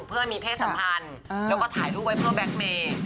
เพื่อมีเพศสัมพันธ์แล้วก็ถ่ายรูปไว้เพื่อแก๊กเมย์